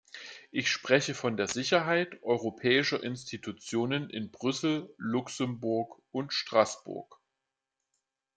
Ich spreche von der Sicherheit europäischer Institutionen in Brüssel, Luxemburg und Straßburg.